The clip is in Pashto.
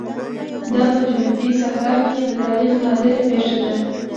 دا په جنوبي صحرا کې د تاریخ نادره پېښه ده.